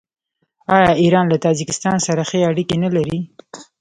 آیا ایران له تاجکستان سره ښې اړیکې نلري؟